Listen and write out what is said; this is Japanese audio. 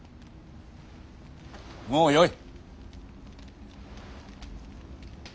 もうよい。